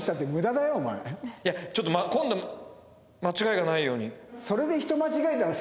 いやちょっと今度間違いがないように。